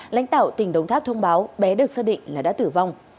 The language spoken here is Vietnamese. lãnh tạo tỉnh đồng tháp thông báo bé được xác định là đã tử vong